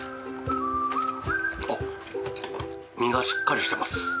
身がしっかりしてます。